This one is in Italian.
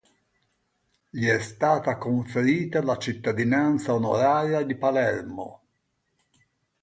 Gli è stata conferita la cittadinanza onoraria di Palermo.